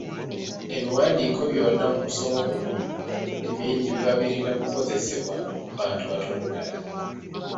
Ebiwandiiko byonna mu musomo guno emirundi mingi biba birina kukozesebwa bantu batono ddala.